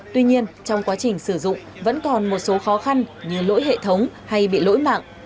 tuy nhiên trong quá trình sử dụng vẫn còn một số khó khăn như lỗi hệ thống hay bị lỗi mạng